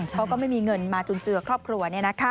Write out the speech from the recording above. เขาก็ไม่มีเงินมาจุนเจอกับครอบครัวเนี่ยนะคะ